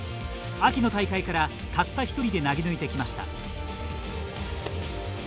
秋の大会から、たった一人で投げ抜いてきました。